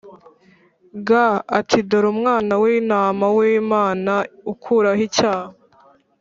Ga ati dore umwana w intama w imana ukuraho icyaha